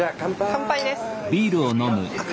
乾杯です。